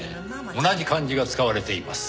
同じ漢字が使われています。